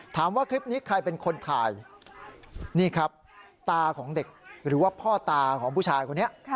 ถามว่าคลิปนี้ใครเป็นคนถ่ายนี่ครับตาของเด็กหรือว่าพ่อตาของผู้ชายคนนี้